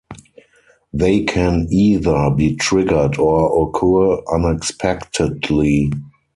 They can either be triggered or occur unexpectedly.